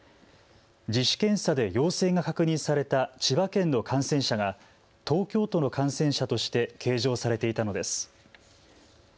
自主検査で陽性が確認された千葉県の感染者が東京都の感染者として計上されていたのです。